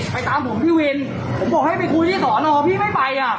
ไปตามผมพี่วินผมบอกให้ไปคุยที่สอนอพี่ไม่ไปอ่ะ